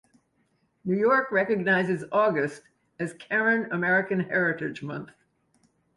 New York recognizes August as Karen American Heritage Month.